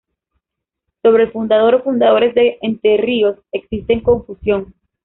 Sobre el fundador o fundadores de Entrerríos existe confusión.